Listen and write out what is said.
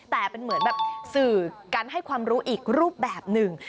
แต่เป็นเหมือนแบบสื่อการให้ความรู้อีกรูปแบบหนึ่ง